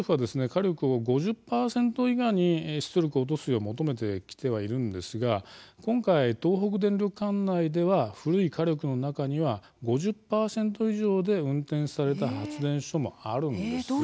火力を５０％以下に出力を落とすよう求めてきてはいるんですが今回、東北電力管内では古い火力の中には５０％以上で運転された発電所もあるんですね。